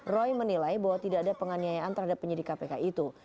roy menilai bahwa tidak ada penganiayaan terhadap penyidik kpk itu